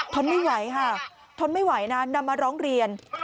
ทนไม่ไหวค่ะทนไม่ไหวนะนำมาร้องเรียน